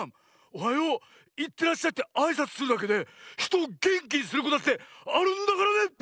「おはよう」「いってらっしゃい」ってあいさつするだけでひとをげんきにすることだってあるんだからね！